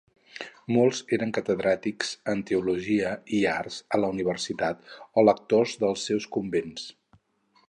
Molts eren catedràtics en teologia i arts a la universitat o lectors dels seus convents.